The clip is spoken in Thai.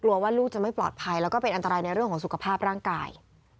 ว่าลูกจะไม่ปลอดภัยแล้วก็เป็นอันตรายในเรื่องของสุขภาพร่างกาย